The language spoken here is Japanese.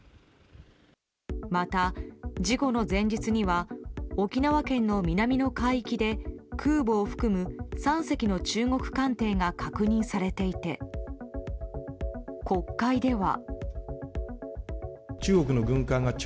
また、事故の前日には沖縄県の南の海域で空母を含む３隻の中国艦艇が確認されていて国会では。